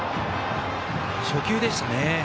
初球でしたね。